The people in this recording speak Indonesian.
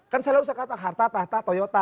kan saya selalu bisa kata harta tahta toyota